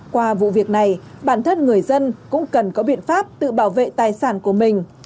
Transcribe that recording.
qua vụ việc này bản thân người dân cũng cần có biện pháp tự bảo vệ tài sản của mình